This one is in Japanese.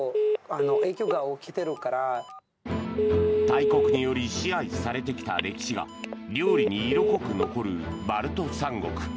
大国により支配されてきた歴史が料理に色濃く残るバルト三国。